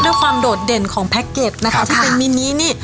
ด้วยความโดดเด่นของแพ็กเกจนะคะที่เป็นมินินี่